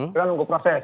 kita nunggu proses